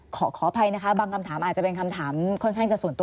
ขออภัยนะคะบางคำถามอาจจะเป็นคำถามค่อนข้างจะส่วนตัว